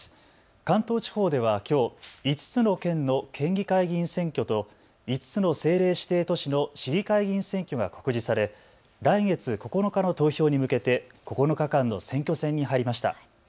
関東地方ではきょう５つの県の県議会議員選挙と５つの政令指定都市の市議会議員選挙が告示され来月９日の投票に向けて９日間の選挙戦に入りました。